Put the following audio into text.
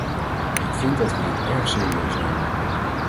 Ik vind dat we dit erg serieus nemen.